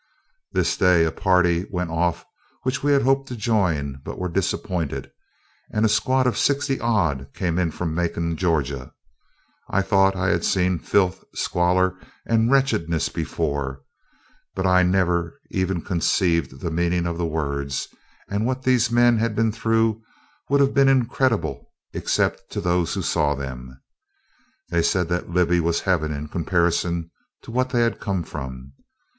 This day, a party went off which we had hoped to join, but were disappointed; and a squad of sixty odd came in from Macon, Georgia. I thought that I had seen filth, squalor, and wretchedness before, but I never even conceived the meaning of the words; and what these men had been through would have been incredible, except to those who saw them. They said the Libby was heaven, in comparison to what they had come from.